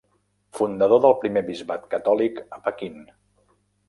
Fundador del primer bisbat catòlic a Pequín.